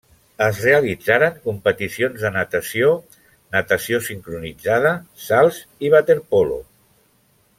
Es realitzaren competicions de natació, natació sincronitzada, salts i waterpolo.